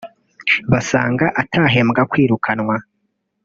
basanga atahembwa kwirukanwa